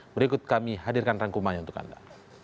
berikut kami hadirkan rangkumannya untuk anda